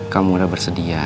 kamu udah bersedia